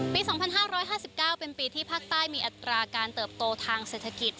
ปี๒๕๕๙เป็นปีที่ภาคใต้มีอัตราการเติบโตทางเศรษฐกิจ